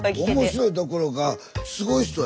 面白いどころかすごい人やんね。